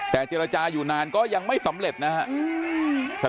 แต่เจรจาอยู่นานก็ยังไม่สำเร็จนะครับ